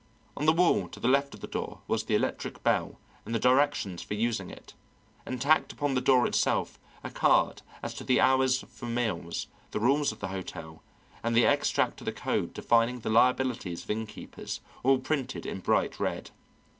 On the wall to the left of the door was the electric bell and the directions for using it, and tacked upon the door itself a card as to the hours for meals, the rules of the hotel, and the extract of the code defining the liabilities of innkeepers, all printed in bright red.